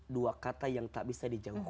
dua kata yang tak bisa dijauhkan